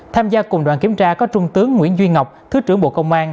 tham gia cùng đoàn kiểm tra có trung tướng nguyễn duy ngọc thứ trưởng bộ công an